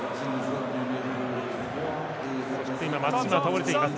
そして今、松島が倒れています。